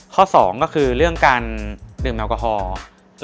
ข้อสองก็คือเรื่องการดื่มแมวกะฮอล์